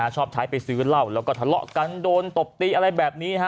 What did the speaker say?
ชอบใช้ไปซื้อเหล้าแล้วก็ทะเลาะกันโดนตบตีอะไรแบบนี้